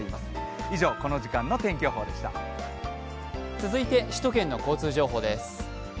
続いて首都圏の交通情報です。